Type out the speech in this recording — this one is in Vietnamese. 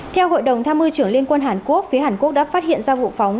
theo hội đồng tham mưu trưởng liên quân hàn quốc phía hàn quốc đã phát hiện ra vụ phóng